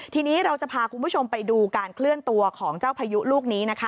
ทีนี้เราจะพาคุณผู้ชมไปดูการเคลื่อนตัวของเจ้าพายุลูกนี้นะคะ